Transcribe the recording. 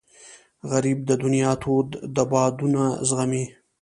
غریب د دنیا تود بادونه زغمي